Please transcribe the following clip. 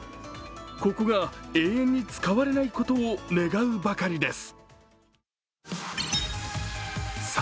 ここが永遠に使われないことを願うばかりです。